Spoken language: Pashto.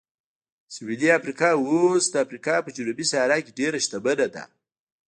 سویلي افریقا اوس د افریقا په جنوبي صحرا کې ډېره شتمنه ده.